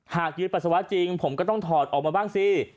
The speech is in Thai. ยืนปัสสาวะจริงผมก็ต้องถอดออกมาบ้างสิ